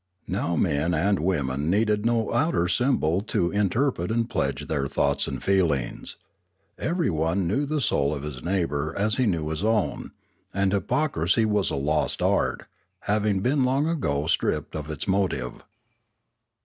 Now men and women needed no outer symbol to inter pret and pledge their thoughts and feelings. Everyone knew the soul of his neighbour as he knew his own, and hypocrisy was a lost art, having been long ago stripped of its motive.